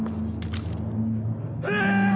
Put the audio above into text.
うわ！